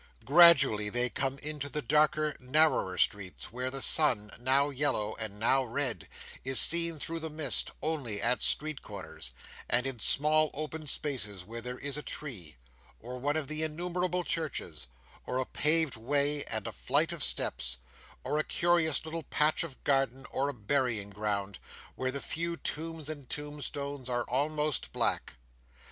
Gradually they come into the darker, narrower streets, where the sun, now yellow, and now red, is seen through the mist, only at street corners, and in small open spaces where there is a tree, or one of the innumerable churches, or a paved way and a flight of steps, or a curious little patch of garden, or a burying ground, where the few tombs and tombstones are almost black.